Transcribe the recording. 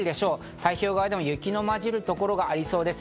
太平洋側でも雪のまじる所がありそうです。